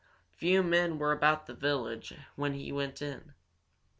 Few men were about the village when he went in.